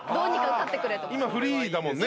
今フリーだもんね。